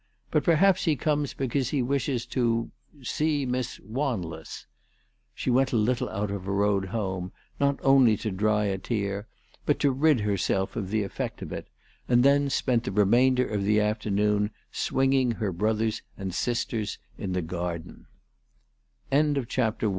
But perhaps he comes because he wishes to see Miss Wanless." She went a little out of her road home, not only to dry a tear, but to rid herself of the effect of it, and then spent the remainder of the afternoon swinging her brothers and